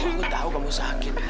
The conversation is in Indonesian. aku tau kamu sakit